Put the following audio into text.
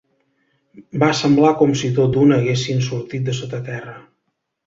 Va semblar com si tot d'una haguessin sortit de sota terra